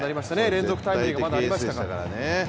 連続タイムリーがまたありましたからね。